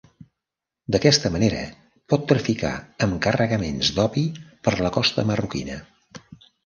D'aquesta manera, pot traficar amb carregaments d'opi per la costa marroquina.